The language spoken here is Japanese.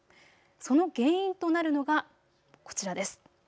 その原因となるのがこちらです。